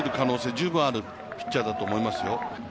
十分あるピッチャーだと思います。